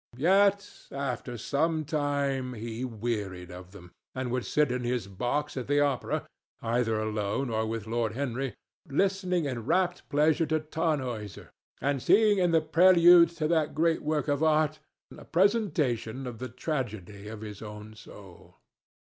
Yet, after some time, he wearied of them, and would sit in his box at the opera, either alone or with Lord Henry, listening in rapt pleasure to "Tannhauser" and seeing in the prelude to that great work of art a presentation of the tragedy of his own soul.